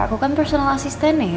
aku kan personal asisten ya